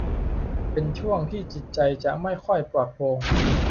เป็นช่วงที่จิตใจจะไม่ค่อยปลอดโปร่ง